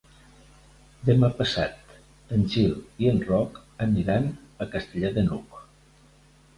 Demà passat en Gil i en Roc aniran a Castellar de n'Hug.